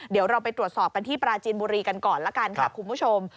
เดี๋ยวเราไปตรวจสอบกันที่ปราจีนบุรีกันก่อนละกันค่ะคุณผู้ชม